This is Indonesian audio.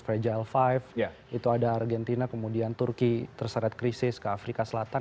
fragile lima itu ada argentina kemudian turki terseret krisis ke afrika selatan